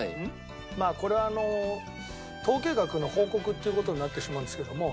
まあこれはあの統計学の報告っていう事になってしまうんですけども。